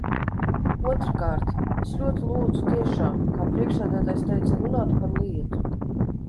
Otrkārt, es ļoti lūdzu tiešām, kā priekšsēdētājs teica, runāt par lietu.